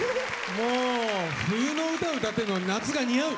もう冬の歌歌ってんのに夏が似合う！